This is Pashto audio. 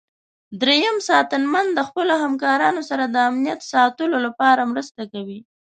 دریم ساتنمن د خپلو همکارانو سره د امنیت ساتلو لپاره مرسته کوي.